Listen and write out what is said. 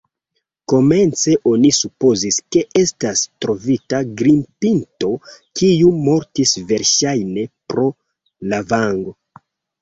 Komence oni supozis, ke estas trovita grimpinto, kiu mortis verŝajne pro lavango.